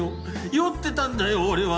酔ってたんだよ俺は。